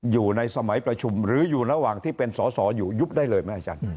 อยู่ในสมัยประชุมหรืออยู่ระหว่างที่เป็นสอสออยู่ยุบได้เลยไหมอาจารย์